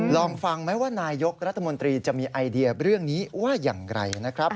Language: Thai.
ลองฟังไหมว่านายกรัฐมนตรีจะมีไอเดียเรื่องนี้ว่าอย่างไรนะครับ